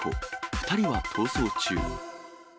２人は逃走中。